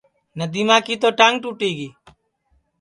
ندیما کی تو ٹانگ ٹُوٹی گی